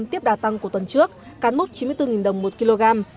tại miền bắc giá lợn hơi tăng của tuần trước cán mốc chín mươi bốn đồng một kg